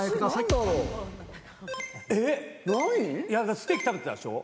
ステーキ食べてたでしょ？